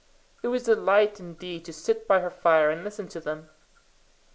It was delight indeed to sit by her fire and listen to them.